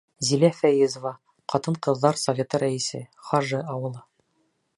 Зилә ФӘЙЕЗОВА, ҡатын-ҡыҙҙар советы рәйесе, Хажы ауылы: